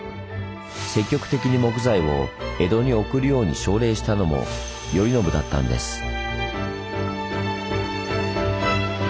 積極的に木材を江戸に送るように奨励したのも頼宣だったんです。